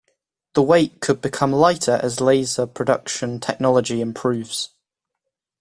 The weight could become lighter as laser production technology improves.